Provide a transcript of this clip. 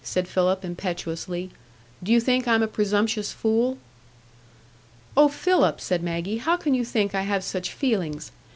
said Philip, impetuously. "Do you think I'm a presumptuous fool?" "Oh, Philip!" said Maggie, "how can you think I have such feelings?